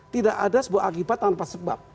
tidak ada sebuah akibat tanpa sebab